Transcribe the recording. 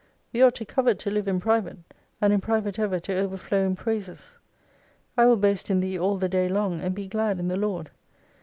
We ought to covet to live in private, and in private ever to overflow in praises. I will boast in Thee all the day long, and be glad in the Lord.